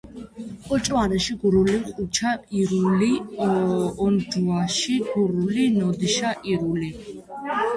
ოჭმარეში გურული – ჸუჩა ირული ონჯუაში გურული – ნოდიშა ირული.